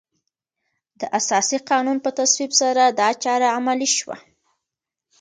د اساسي قانون په تصویب سره دا چاره عملي شوه.